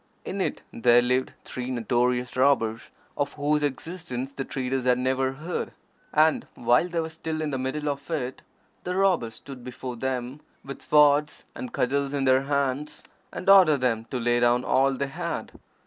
In it there lived three notorious robbers, of whose existence the traders had never heard, and while they were still in the middle of it the robbers stood before them, with swords and cudgels in their hands, and ordered them to lay down all they had.